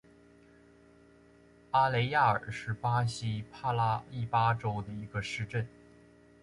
阿雷亚尔是巴西帕拉伊巴州的一个市镇。